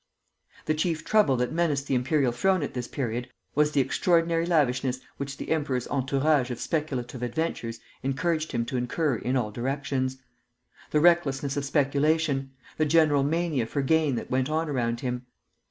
The chief trouble that menaced the imperial throne at this period was the extraordinary lavishness which the emperor's entourage of speculative adventurers encouraged him to incur in all directions; the recklessness of speculation; the general mania for gain that went on around him.